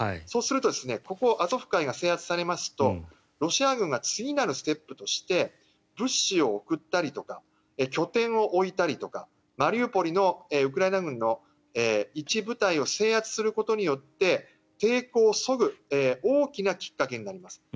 そうするとここ、アゾフ海が制圧されますとロシア軍が次なるステップとして物資を送ったりとか拠点を置いたりとかマリウポリのウクライナ軍の一部隊を制圧することによって抵抗をそぐ大きなきっかけになります。